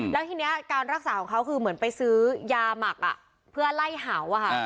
แล้วทีนี้การรักษาของเขาคือเหมือนไปซื้อยาหมักเพื่อไล่เห่า